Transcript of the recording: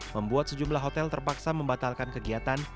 membuat sejumlah hotel terpaksa membatalkan kegiatan